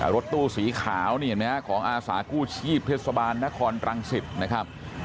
รถตู้สีขาวนี่เห็นไหมฮะของอาสากู้ชีพเทศบาลนครรังสิตนะครับ